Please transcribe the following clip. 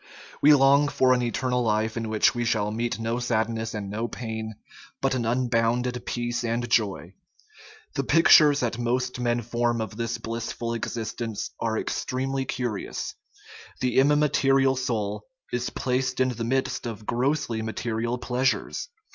We long for an eternal life in which we shall meet no sadness and no pain, but an unbounded peace and joy. The pictures that most men form of this blissful exist ence are extremely curious; the immaterial soul is placed in the midst of grossly material pleasures.